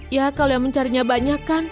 ya kalau yang mencarinya banyak kan